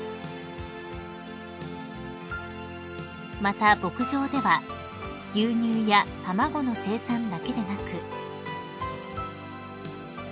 ［また牧場では牛乳や卵の生産だけでなく］